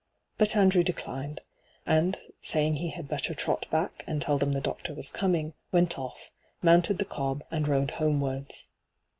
But Andrew declined, and, saying he had better trot back and teJl them the doctor was coming, went off, mounted the oob, and rode homewards.